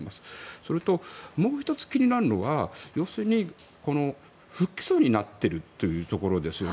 それともう１つ気になるのが要するに、不起訴になってるところですよね。